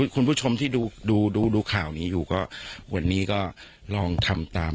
คุณผู้ชมที่ดูดูข่าวนี้อยู่ก็วันนี้ก็ลองทำตาม